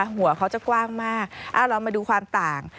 หัวเขาจะกว้างมากเรามาดูความต่าง